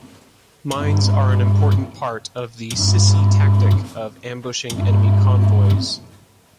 Mines are an important part of the Sissi tactic of ambushing enemy convoys.